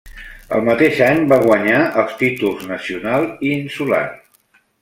El mateix any va guanyar els títols nacional i insular.